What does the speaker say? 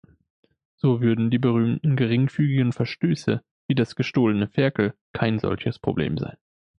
So würden die berühmten geringfügigen Verstöße wie das gestohlene Ferkel kein solches Problem sein.